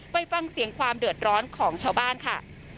ไปฟังเสียงความเดือดร้อนของชาวบ้านค่ะ